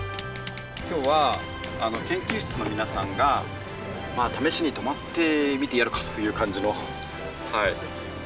今日は研究室の皆さんがまあ試しに泊まってみてやるかという感じのはい。